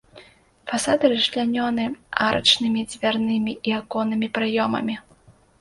Фасады расчлянёны арачнымі дзвярнымі і аконнымі праёмамі.